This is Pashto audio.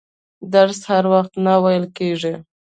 درس هر وخت نه ویل کیږي.